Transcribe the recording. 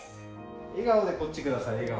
笑顔でこっち下さい笑顔。